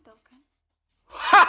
kamu tahu kan